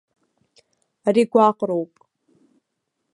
Ари гәаҟроуп!